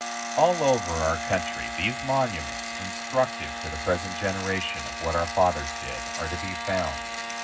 All over our country, these monuments, instructive to the present generation, of what our fathers did, are to be found.